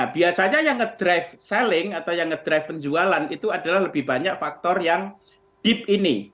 biasanya yang ngedrive selling atau yang ngedrive penjualan itu adalah lebih banyak faktor yang deep ini